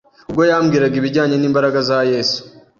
Ubwo yambwiraga ibijyanye n’imbaraga za Yesu